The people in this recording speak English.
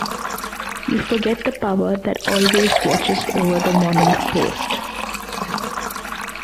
You forget the power that always watches over the Morning Post.